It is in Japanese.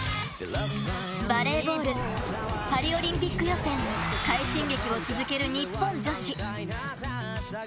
バレーボールパリオリンピック予選快進撃を続ける日本女子。